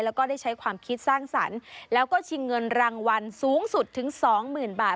แล้วก็ได้ใช้ความคิดสร้างสรรค์แล้วก็ชิงเงินรางวัลสูงสุดถึงสองหมื่นบาท